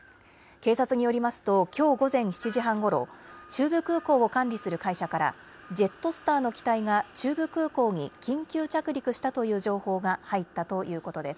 警察によりますときょう午前７時半ごろ中部空港を管理する会社からジェットスターの機体が中部空港に緊急着陸したという情報が入ったということです。